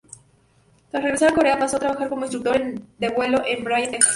Tras regresar de Corea pasó a trabajar como instructor de vuelo en Bryan, Texas.